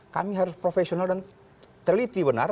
kami harus profesional dan teliti benar